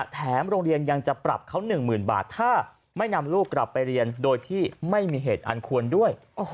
แถมโรงเรียนยังจะปรับเขา๑๐๐๐บาทถ้าไม่นำลูกกลับไปเรียนโดยที่ไม่มีเหตุอันควรด้วย